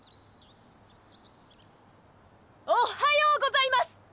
おはようございます！